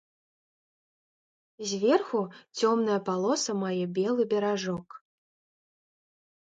Зверху цёмная палоса мае белы беражок.